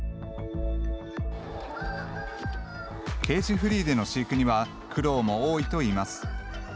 ケージフリーでの飼育には苦労も多いといいます。